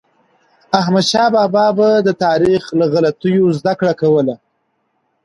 احمدشاه بابا به د تاریخ له غلطیو زدهکړه کوله.